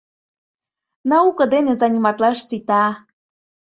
Науко дене заниматлаш сита.